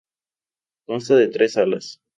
Consta de tres salas.